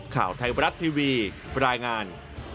ข่าวไทยบรัฐทีวีรายงาน